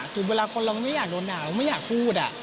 ถึงเวลาคนเราไม่อยากโดนด่าเราไม่อยากพูด